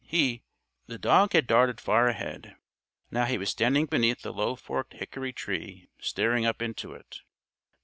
He " The dog had darted far ahead. Now he was standing beneath a low forked hickory tree staring up into it.